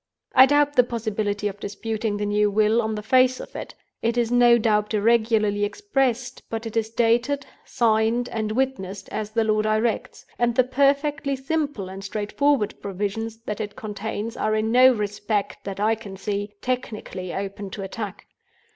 "I doubt the possibility of disputing the new Will on the face of it. It is no doubt irregularly expressed; but it is dated, signed, and witnessed as the law directs; and the perfectly simple and straightforward provisions that it contains are in no respect, that I can see, technically open to attack.